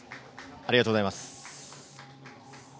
ありがとうございます。